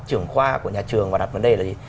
trưởng khoa của nhà trường và đặt vấn đề là gì